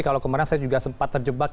kalau kemarin saya juga sempat terjebak